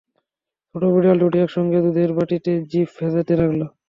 ছোট বিড়াল দুটি একসঙ্গে দুধের বাটিতে জিত ভেজাতে লাগল।